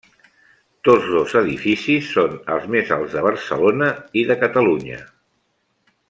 Tots dos edificis són els més alts de Barcelona i de Catalunya.